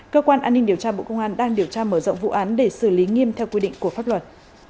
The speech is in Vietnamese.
cơ quan an ninh điều tra bộ công an đang điều tra mở rộng vụ án để xử lý nghiêm theo quy định của pháp luật